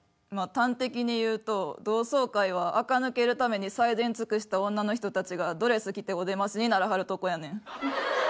まあ端的に言うと同窓会はあか抜けるために最善尽くした女の人たちがドレス着てお出ましにならはるとこやねん。